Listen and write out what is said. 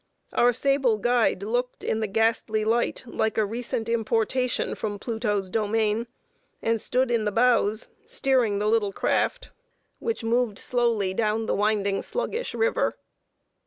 Our sable guide looked, in the ghastly light, like a recent importation from Pluto's domain; and stood in the bows, steering the little craft, which moved slowly down the winding, sluggish river.